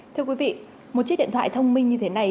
thưa quý vị một chiếc điện thoại thông minh như thế này